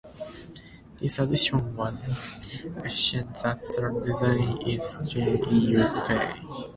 This addition was so efficient that the design is still in use today.